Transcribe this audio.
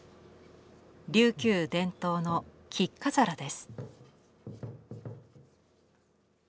琉球伝統の菊花皿です。